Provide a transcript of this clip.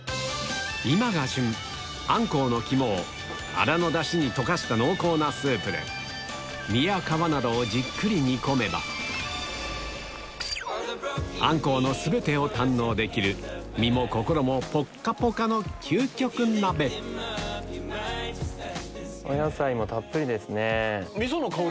今が旬アンコウの肝をアラのダシに溶かした濃厚なスープで身や皮などをじっくり煮込めばアンコウの全てを堪能できる身も心もポッカポカの究極鍋お野菜もたっぷりですね。